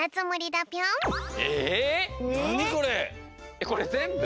えっこれぜんぶ？